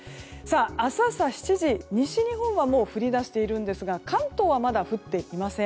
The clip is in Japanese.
明日朝７時西日本は降り出しているんですが関東はまだ降っていません。